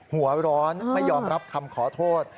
หัวร้อนไม่ยอมรับคำขอโทษ